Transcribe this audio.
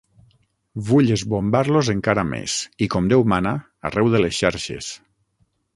Vull esbombar-los encara més i com Déu mana arreu de les xarxes.